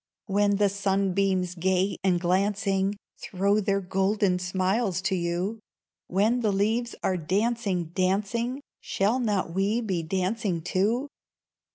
When the sunbeams gay and glancing Throw their golden smiles to you, When the leaves are dancing, dancing, Shall not we be dancing, too?